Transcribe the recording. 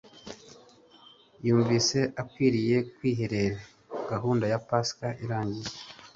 Yumvise akwiriye kwiherera. Gahunda ya Pasika irangiye,